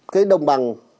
cái đồng bằng